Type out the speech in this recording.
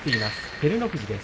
照ノ富士です。